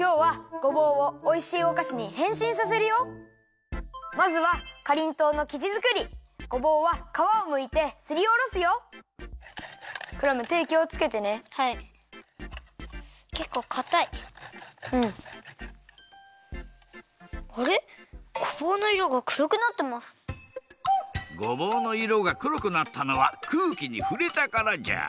ごぼうのいろがくろくなったのはくうきにふれたからじゃ。